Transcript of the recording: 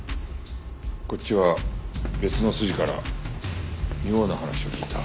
こっちは別の筋から妙な話を聞いた。